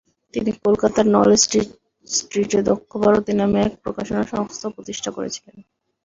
তিনি কলকাতার কলেজ স্ট্রিটে দক্ষভারতী নামে এক প্রকাশনা সংস্থা প্রতিষ্ঠা করেছিলেন।